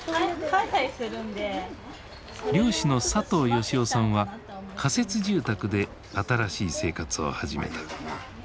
漁師の佐藤吉男さんは仮設住宅で新しい生活を始めた。